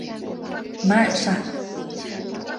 马尔萨。